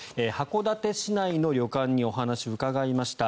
函館市内の旅館にお話を伺いました。